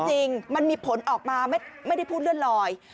จริงมันมีผลออกมาไม่ได้พูดเลื่อนลอย